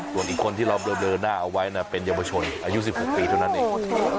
ส่วนอีกคนที่เราเบลอหน้าเอาไว้นะเป็นเยาวชนอายุ๑๖ปีเท่านั้นเอง